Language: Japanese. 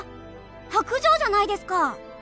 薄情じゃないですか！